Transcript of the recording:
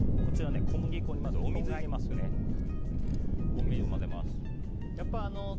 小麦粉にまず、お水を混ぜます。